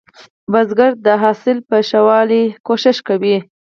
کروندګر د حاصل په ښه والي هڅې کوي